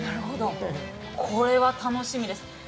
これは楽しみです。